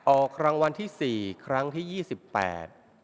ออกรางวัลที่สี่ครั้งที่ยี่สิบแปด